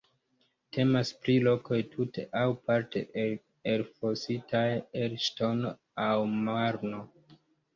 Temas pri lokoj tute aŭ parte elfositaj el ŝtono aŭ marno.